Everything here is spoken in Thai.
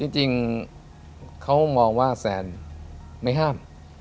จริงเขามองว่าแซนไม่ห้าม